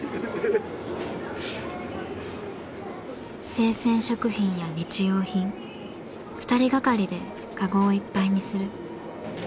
生鮮食品や日用品２人がかりでかごをいっぱいにする。